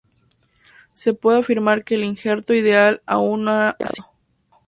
Se puede afirmar que el injerto ideal aún no ha sido hallado.